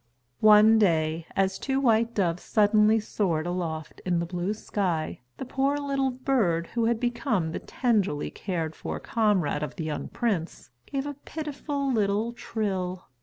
One day, as two white doves suddenly soared aloft in the blue sky, the poor little bird, who had become the tenderly cared for comrade of the young prince, gave a pitiful little trill.